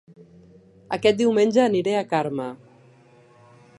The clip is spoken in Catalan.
Aquest diumenge aniré a Carme